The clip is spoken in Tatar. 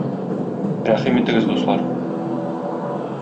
Рәхим итегез, дуслар!